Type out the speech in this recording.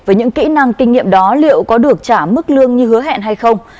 với những kỹ năng kinh nghiệm đó liệu có được trả mức lương như hứa hẹn hay không